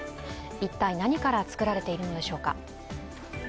一体、何から作られているのでしょうか？